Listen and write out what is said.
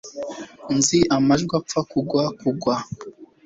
Nzi amajwi apfa kugwa kugwa